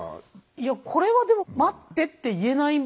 いやこれはでも「待って」って言えない自然現象ですよね。